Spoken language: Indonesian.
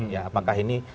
ya apakah ini